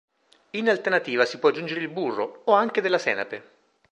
In alternativa si può aggiungere il burro o anche della senape.